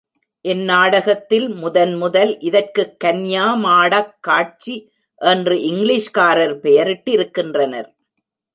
இந்நாடகத்தில் முதன் முதல் இதற்குக் கன்யாமாடக் காட்சி என்று இங்கிலீஷ்காரர் பெயரிட்டிருக்கின்றனர்.